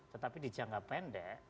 tetapi di jangka pendek